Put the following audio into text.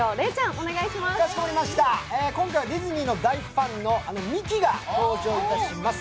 かしこまりました、今回はディズニーの大ファンのミキが登場します。